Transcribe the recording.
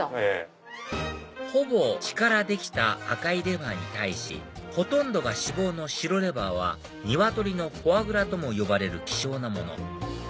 ほぼ血からできた赤いレバーに対しほとんどが脂肪の白レバーは鶏のフォアグラとも呼ばれる希少なもの